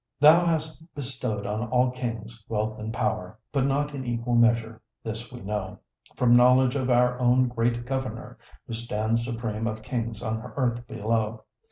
Thou hast bestowed on all kings wealth and power, But not in equal measure this we know, From knowledge of our own great Governor, Who stands supreme of kings on earth below.